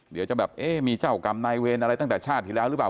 เดี๋ยวจะแบบเอ๊ะมีเจ้ากรรมนายเวรอะไรตั้งแต่ชาติที่แล้วหรือเปล่า